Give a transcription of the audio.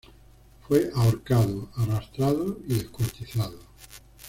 Fue ahorcado, arrastrado y descuartizado.